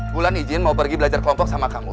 bulan izin mau pergi belajar kelompok sama kamu